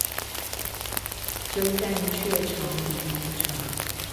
鳩佔雀巢檸檬茶